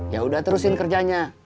ya udah terusin kerjanya